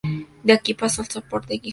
De aquí pasó al Sporting de Gijón.